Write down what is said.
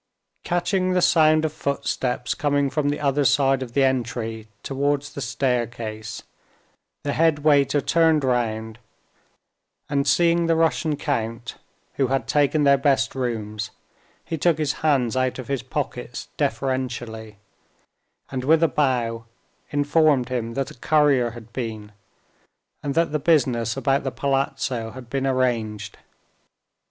Catching the sound of footsteps coming from the other side of the entry towards the staircase, the head waiter turned round, and seeing the Russian count, who had taken their best rooms, he took his hands out of his pockets deferentially, and with a bow informed him that a courier had been, and that the business about the palazzo had been arranged.